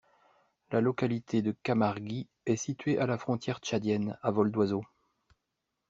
La localité de Kamargui est située à de la frontière tchadienne, à vol d'oiseau.